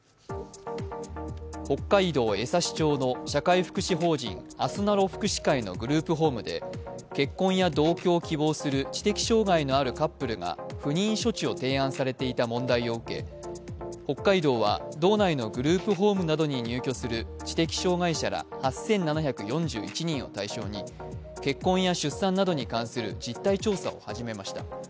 北海道江差町の社会福祉法人あすなろ福祉会のグループホームで、結婚や同居を希望する知的障害のあるカップルが不妊処置を提案されていた問題を受け北海道は道内のグループホームなどに入居する知的障害者ら８７４１人を対象に、結婚や出産などに関する実態調査を始めました。